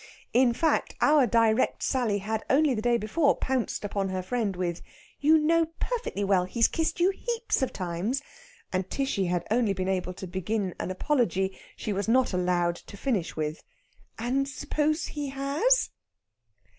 In fact, our direct Sally had only the day before pounced upon her friend with, "You know perfectly well he's kissed you heaps of times!" And Tishy had only been able to begin an apology she was not to be allowed to finish with, "And suppose he has...?"